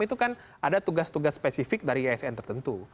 itu kan ada tugas tugas spesifik dari asn tertentu